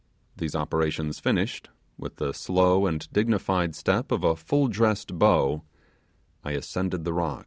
These operations finished, with the slow and dignified step of a full dressed beau I ascended the rock.